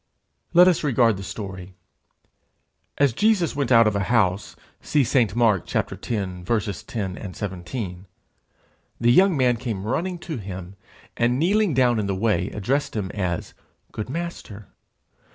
Let us regard the story. As Jesus went out of a house (see St. Mark x. 10 and 17), the young man came running to him, and kneeling down in the way, addressed him as 'Good Master.'